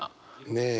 ねえ。